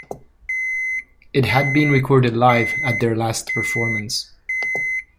It had been recorded live at their last performance.